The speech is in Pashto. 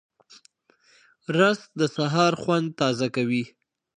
رس د سهار خوند تازه کوي